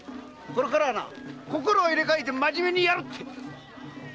これからは心を入れかえてまじめにやるって！